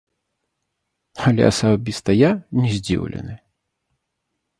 Але асабіста я не здзіўлены.